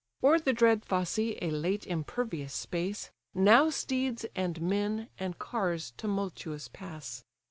O'er the dread fosse (a late impervious space) Now steeds, and men, and cars tumultuous pass.